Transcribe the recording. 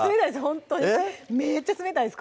ほんとにめっちゃ冷たいです